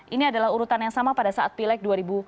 ini adalah urutan yang sama pada saat pileg dua ribu sembilan belas